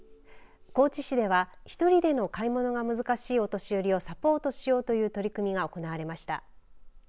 高知市では１人での買い物が難しいお年寄りをサポートしようという取り組みが行われました。